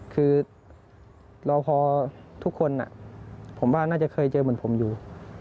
คือรอพอทุกคนผมว่าน่าจะเคยเจอเหมือนผมอยู่